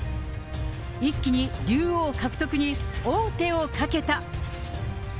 一気に竜王獲得に王手をかけた。